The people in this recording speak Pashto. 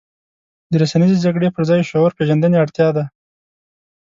د رسنیزې جګړې پر ځای شعور پېژندنې اړتیا ده.